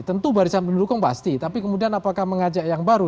tentu barisan pendukung pasti tapi kemudian apakah mengajak yang baru